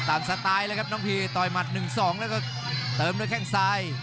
สไตล์เลยครับน้องพีต่อยหมัด๑๒แล้วก็เติมด้วยแข้งซ้าย